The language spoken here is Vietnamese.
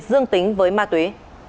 dương tính với ma túy